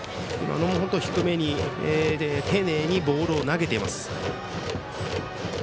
低めに丁寧にボールを投げています。